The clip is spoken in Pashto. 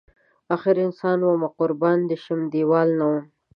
اخر انسان ومه قربان دی شم دیوال نه وم